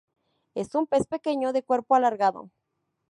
Es un pez pequeño de cuerpo alargado.